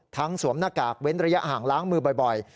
สวมหน้ากากเว้นระยะห่างล้างมือบ่อย